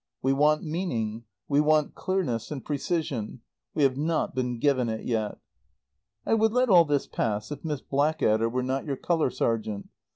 "We want meaning; we want clearness and precision. We have not been given it yet. "I would let all this pass if Miss Blackadder were not your colour sergeant.